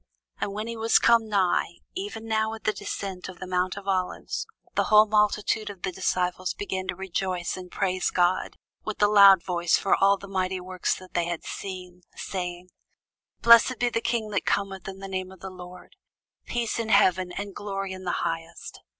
And when he was come nigh, even now at the descent of the mount of Olives, the whole multitude of the disciples began to rejoice and praise God with a loud voice for all the mighty works that they had seen; saying, Blessed be the King that cometh in the name of the Lord: peace in heaven, and glory in the highest.